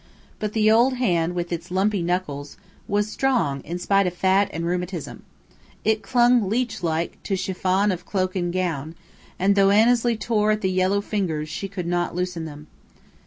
But the old hand with its lumpy knuckles was strong in spite of fat and rheumatism. It clung leechlike to chiffon of cloak and gown, and though Annesley tore at the yellow fingers, she could not loosen them.